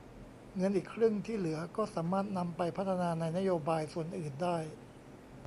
เงินอีกครึ่งที่เหลือก็สามารถนำไปพัฒนาในนโยบายส่วนอื่นได้